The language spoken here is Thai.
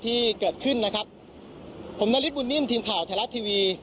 ที่เกิดขึ้นนะครับผมนาริสบุญนิ่มทีมข่าวไทยรัฐทีวี